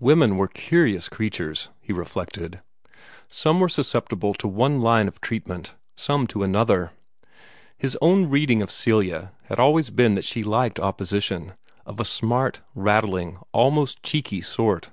Women were curious creatures, he reflected. Some were susceptible to one line of treatment, some to another. His own reading of Celia had always been that she liked opposition, of a smart, rattling, almost cheeky, sort.